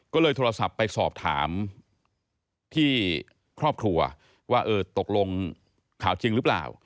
ก็เลยโทรศัพท์ไปสอบถามที่ครอบครัวว่าเออตกลงข่าวจริงหรือเปล่า